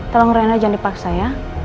tolong rena jangan dipaksa ya